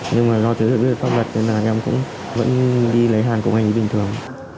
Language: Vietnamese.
nhưng mà do thành biết phát nhanh nên là em cũng vẫn đi lấy hàng cùng anh ấy bình thường